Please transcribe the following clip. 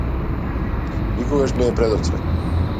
Никогаш не е предоцна.